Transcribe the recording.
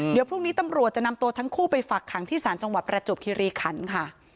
เดี๋ยวพรุ่งนี้ตำรวจจะนำตัวทั้งคู่ไปฝักขังที่ศาลจังหวัดประจวบคิริขันค่ะ